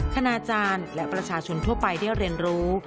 คณาจารย์และประชาชนทั่วไปได้เรียนรู้